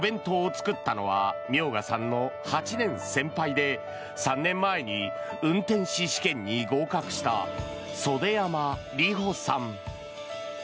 この２段のお弁当を作ったのは明賀さんの８年先輩で３年前に運転士試験に合格した袖山里穂さん。